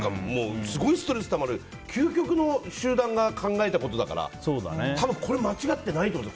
すごいストレスたまる究極の集団が考えたことだからこれ、間違ってないと思う。